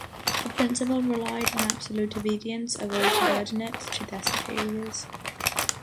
The principle relied on absolute obedience of all subordinates to their superiors.